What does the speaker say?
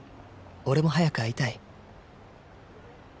俺も早く会いたい」。